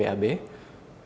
itu adalah pernafasan